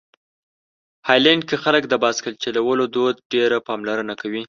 هالنډ کې خلک د بایسکل چلولو دود ډېره پاملرنه کوي.